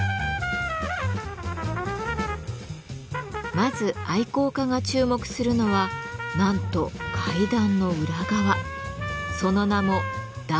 まず愛好家が注目するのはなんと階段の裏側その名も「段裏」。